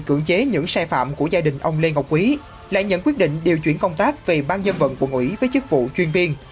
cưỡng chế những sai phạm của gia đình ông lê ngọc quý lại nhận quyết định điều chuyển công tác về ban dân vận quận ủy với chức vụ chuyên viên